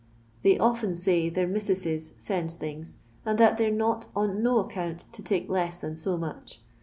They often say their missusses sends things, and that they 're not on no aeeoont to take less than so much.